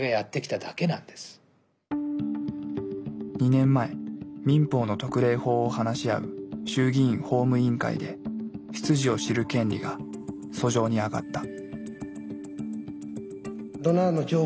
２年前民法の特例法を話し合う衆議院法務委員会で「出自を知る権利」が俎上にあがった。